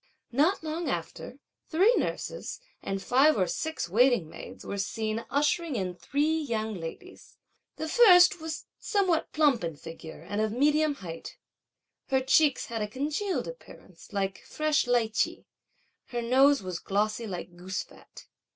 Not long after three nurses and five or six waiting maids were seen ushering in three young ladies. The first was somewhat plump in figure and of medium height; her cheeks had a congealed appearance, like a fresh lichee; her nose was glossy like goose fat.